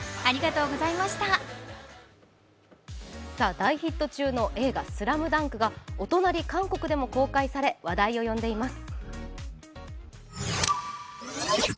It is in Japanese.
大ヒット中の映画「ＳＬＡＭＤＵＮＫ」がお隣、韓国でも公開され話題を呼んでいます。